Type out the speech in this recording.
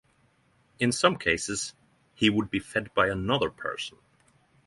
In some cases he would be fed by another person.